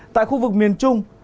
tại khu vực miền trung